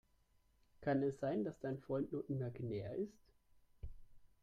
Kann es sein, dass dein Freund nur imaginär ist?